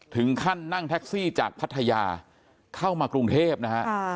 ถึงขั้นนั่งแท็กซี่จากพัทยาเข้ามากรุงเทพนะฮะ